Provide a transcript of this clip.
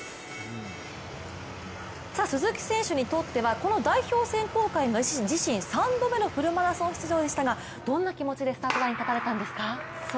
鈴木選手にとってはこの代表選考会が自身３度目のフルマラソン出場でしたがどんな気持ちでスタートラインに立たれたんですか？